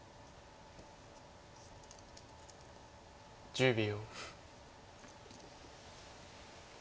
１０秒。